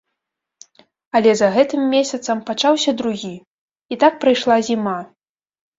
Але за гэтым месяцам пачаўся другі, і так прайшла зіма.